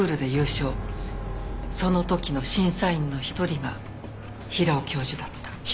その時の審査員の一人が平尾教授だった。